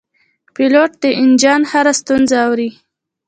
پیلوټ د انجن هره ستونزه اوري.